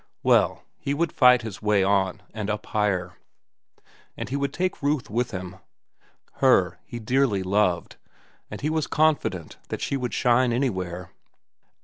Well, he would fight his way on and up higher. And he would take Ruth with him. Her he dearly loved, and he was confident that she would shine anywhere.